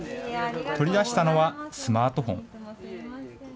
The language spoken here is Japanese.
取り出したのはスマートフォン。